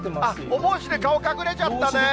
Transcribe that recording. お帽子で顔が隠れちゃったね。